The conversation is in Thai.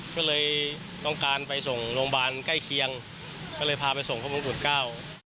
ก็เลยต้องการไปส่งโรงพยาบาลใกล้เคียงก็เลยพาไปส่งพระมงกุฎเก้า